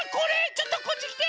ちょっとこっちきて！